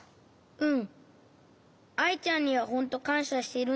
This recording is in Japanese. うん。